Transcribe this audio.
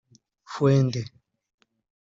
Freunde